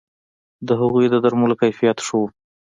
د هغوی د درملو کیفیت ښه وو